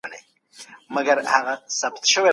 د پښتو ژبي دپاره باید د علمي څېړنو زمینه برابره سي